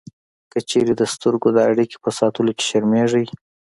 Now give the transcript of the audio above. که چېرې د سترګو د اړیکې په ساتلو کې شرمېږئ